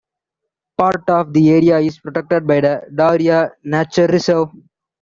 Part of the area is protected by the Dauria Nature Reserve.